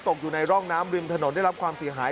ตกอยู่ในร่องน้ำริมถนนได้รับความเสียหาย